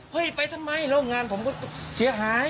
ไปทำไมแล้วงานผมก็เสียหาย